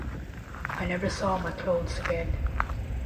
I never saw my clothes again.